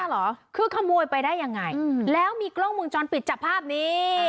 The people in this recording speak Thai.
เหรอคือขโมยไปได้ยังไงแล้วมีกล้องมุมจรปิดจับภาพนี้